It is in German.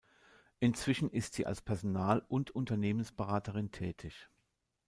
Inzwischen ist sie als Personal- und Unternehmensberaterin tätig.